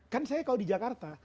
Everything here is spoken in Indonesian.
kan saya kalau di jakarta